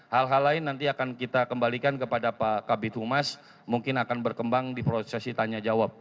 hal hal lain nanti akan kita kembalikan kepada pak kabit humas mungkin akan berkembang di prosesi tanya jawab